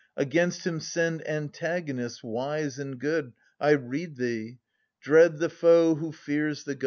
Against him send antagonists wise and good, I rede thee. Dread the foe who fears the Gods.